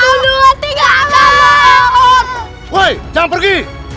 hai woi jangan pergi